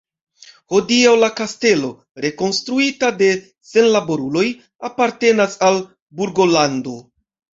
Hodiaŭ la kastelo, rekonstruita de senlaboruloj, apartenas al Burgolando.